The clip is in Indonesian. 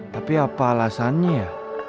tapi apa alasannya ya